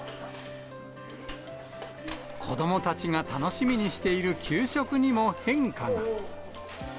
子どもたちが楽しみにしている給食にも変化が。